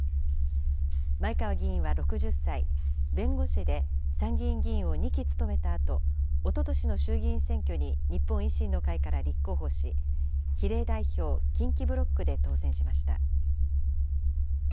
前川議員は６０歳、弁護士で参議院議員を２期務めたあと、おととしの衆議院選挙に日本維新の会から立候補し、比例代表近畿ブロックで当選しました。